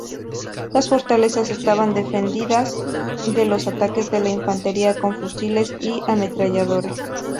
Las fortalezas estaban defendidas de los ataques de la infantería con fusiles y ametralladoras.